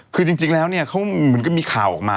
คือจริงแล้วเหมือนก็มีข่าวออกมา